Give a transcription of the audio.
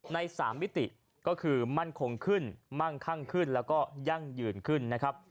ใน๓มิติก็คือมั่นคงขึ้นมั่งคั่งขึ้นแล้วก็ยั่งยืนขึ้นนะครับ